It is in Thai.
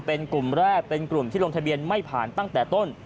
เป็นกลุ่มแรกเป็นกลุ่มที่ลงทะเบียนไม่ผ่านตั้งแต่ต้น